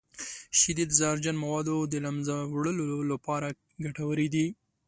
شیدې د زهرجن موادو د له منځه وړلو لپاره ګټورې دي.